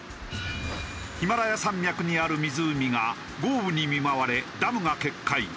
ヒマラヤ山脈にある湖が豪雨に見舞われダムが決壊。